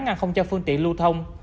ngăn không cho phương tiện lưu thông